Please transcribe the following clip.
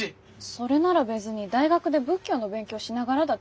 それなら別に大学で仏教の勉強しながらだってできんじゃん。